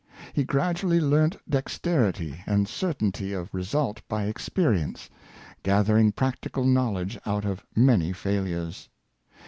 He gradually learnt dexterity and certainty of result by experience, gathering practical knowledge out of many failures.